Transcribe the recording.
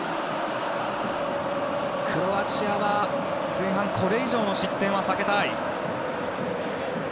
クロアチアは前半これ以上の失点は避けたい。